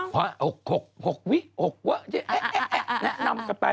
เขาร้องหวะหกหกวิหกวะนำกลับไป